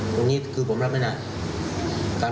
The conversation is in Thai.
ก็นี้คือผมรับไม่ได้สักที